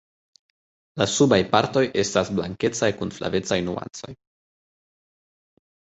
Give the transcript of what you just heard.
La subaj partoj estas blankecaj kun flavecaj nuancoj.